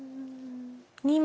２枚。